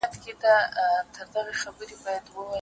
یادونه: انځور، قادر خان کښلی دی